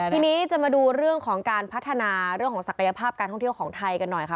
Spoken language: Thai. ทีนี้จะมาดูเรื่องของการพัฒนาเรื่องของศักยภาพการท่องเที่ยวของไทยกันหน่อยค่ะ